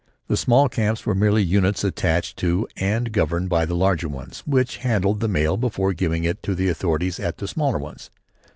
The small camps were merely units attached to and governed by the larger ones, which handled the mail before giving it to the authorities at the smaller ones.